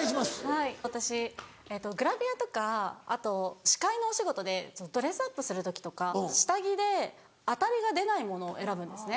はい私えっとグラビアとかあと司会のお仕事でドレスアップする時とか下着でアタリが出ないものを選ぶんですね。